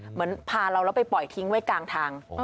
เหมือนพาเราแล้วไปปล่อยทิ้งไว้กลางทาง